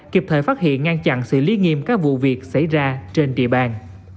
kịp thời phát hiện ngăn chặn xử lý nghiêm các vụ việc xảy ra trên địa bàn